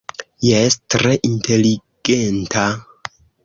Jes, tre inteligenta!